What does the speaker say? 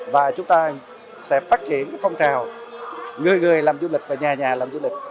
và chúng ta sẽ phát triển phong trào người người làm du lịch và nhà nhà làm du lịch